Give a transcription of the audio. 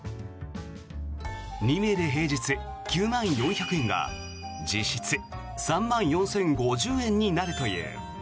２名で平日９万４００円が実質３万４０５０円になるという。